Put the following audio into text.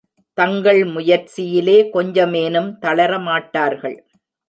தங்கள் முயற்சியிலே கொஞ்சமேனும் தளரமாட்டார்கள்.